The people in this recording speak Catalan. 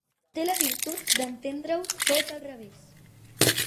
Té la virtut d'entendre-ho tot al revés.